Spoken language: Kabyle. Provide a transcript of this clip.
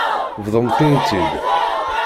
Bḍumt-iyi-tt-id.